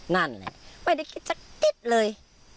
นั่นแหละไม่ได้คิดสักนิดเลย